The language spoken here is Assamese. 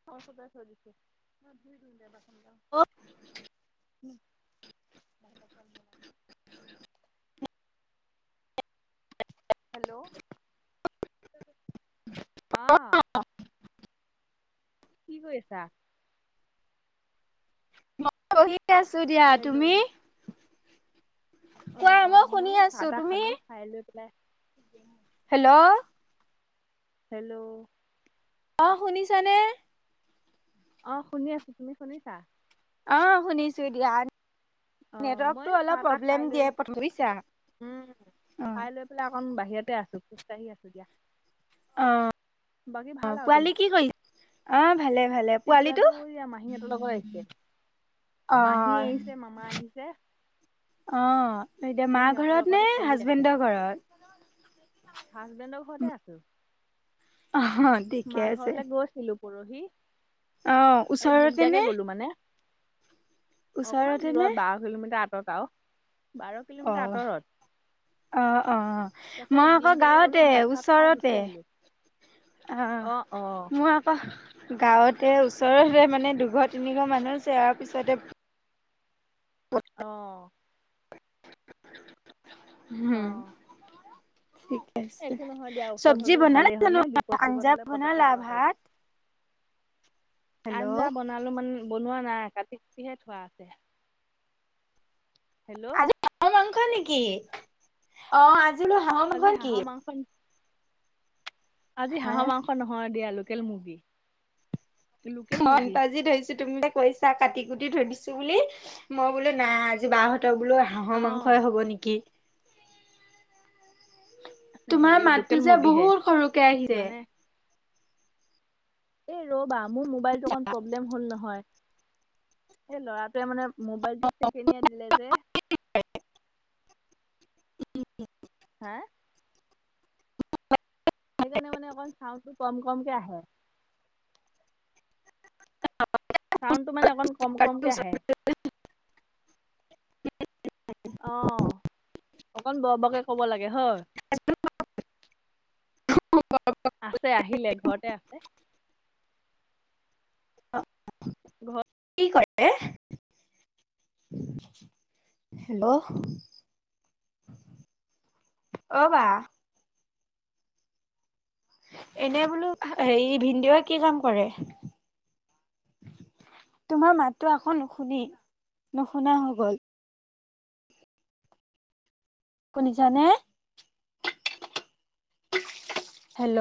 [unintelligible] ঘৰৰ ওচৰতে থৈ দিছোঁ। মই ধুই দিম গে বাচন গাল [inaudible] অ! [inaudible] [unintelligible] হেল্ল'! [inaudible] অঁ! অঁ [inaudible] কি কৰি আছা? [inaudible] পঢ়ি আছো দিয়া। হেল্ল' তুমি? [inaudible] অ কোৱা? অ মই শুনি চাহ আছো। তাহ তুমি? খালো খাই লৈ পেলাই হেল্ল'! [inaudible] হেল্ল'! [inaudible] অঁ! শুনিছানে? [inaudible] অঁ! শুনি আছো। তুমি শুনিছা? [inaudible] অঁ! শুনিছোঁ দিয়া। অ [inaudible] মই নেটৱৰ্কটো চাহ অলপ তাহ খাই প্ৰব্লেম লৈ দিয়ে [inaudible] বুজিছা। উম অঁ! [unintelligible] অকণ বাহিৰতে আছো, খোজকাঢ়ি আছো দিয়া। অঁ! [inaudible] বাকী ভাল আৰু তোমাৰ? [inaudible] অঁ! ভালে-ভালে। পোৱালীটো টিকলাটো এয়া মাহীহঁতৰ লগত আহিছে [inaudible] মাহী অঁ! আহিছে মামা আহিছে [inaudible] অঁ! এতিয়া মা সিহঁতৰ ঘৰত নে লগতে খেলি আছে হাজবেণ্ডৰ ঘৰত? [inaudible] হাজবেণ্ডৰ ঘৰতে আছোঁ। [inaudible] অহ, [inaudible] মা ঘৰলে গৈছিলো পৰহি। অ [inaudible] এই ওচৰতে নে দিনতিয়াকৈ গ'লো মানে। [inaudible] অকমান ওচৰতে নে দূৰত বাও। বাৰ কিলোমিটাৰ আঁতৰত আও বাৰ কিলোমিটাৰ আঁতৰত। [inaudible] অঁ-অঁ! তাৰপিছত মই আকৌ দিনদিয়াকে গ'লো গাঁৱতে ভাত চাত খাই গুচি ওচৰতে। আহিলো। [inaudible] অঁ! অ অ মই আকৌ [inaudible] গাঁৱতে ওচৰতে মানে দুঘৰ-তিনিঘৰ মানুহ যোৱাৰ পিছতে [inaudible] অঁ! [inaudible] অ হুম [inaudible] একো নহয় দিয়া [inaudible] ওচৰত চব্জি হলেও বনালা ভালেই হয় নে বিপদ [inaudible] চিপদ আঞ্জা হলে পতককে বনালা যাব পাৰি ভাত? হেল্ল' আঞ্জা বনা [inaudible] বনালো মানে, বনোৱা নাই কাটি-কোটিহে থোৱা আছে। হেল্ল'! [inaudible] আজি হাঁহৰ মাংস নেকি? অঁ! আজি বোলো হাঁহৰ আজি মাংস নেকি? [inaudible] মাংস আজি হাঁহৰ মাংস নহয় দিয়া লোকেল মুৰ্গী। [inaudible] [unintelligible] মুৰ্গী কাটি কুটি থৈ দিছো বুলি, মই বোলো নাই আজি বাহঁতৰ বোলো হাঁহৰ অ মাংসই হব নেকি তোমাৰ হেৰি মাতটো লোকেল যে মুৰ্গীহে বহুত সৰুকে আহিছে মানে এহ ৰবা, মোৰ মোবাইলটো অকন প প্ৰব্লেম হল নহয়, এই লৰাটোৱে মানে মোবাইলটোত তেকেনিয়াই দিলে যে হা সেইকাৰণে মানে অকমান চাউণ্ডটো কম‌ কমকে আহে। চাউণ্ডটো মানে অকণমান কম কমকে আহে। অহ, অকন বৰ বৰকে কব লাগে হয়। [unintelligible] আছে আহিলে, ঘৰতে আছে। ঘৰত কি কৰে হেল্ল অহ বা এনে বোলো হেৰি ভিনদেউৱে কি কাম কৰে। তোমাৰ মাততো আকৌ নুশুনি, নুশুনা হৈ গল। শুনিছানে হেল্ল'